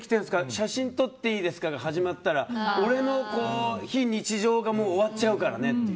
写真撮っていいですかが来ちゃったら俺の非日常が終わっちゃうからねって。